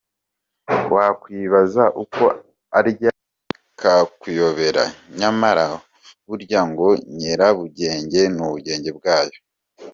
Wakwibaza uko arya bikakuyobera nyamara burya ngo nyirabugenge n'ubugenge bwayo.